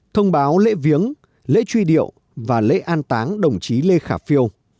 thông báo lễ viếng lễ truy điệu và lễ an táng đồng chí lê khả phiêu